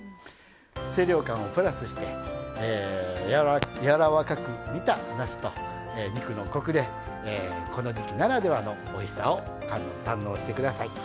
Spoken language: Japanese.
清涼感をプラスしてやわらかく煮たなすと肉のコクでこの時期ならではのおいしさを堪能してください。